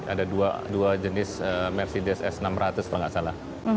ada dua jenis mercedes s enam ratus kalau nggak salah